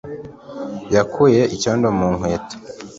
yakuyeho icyondo mu nkweto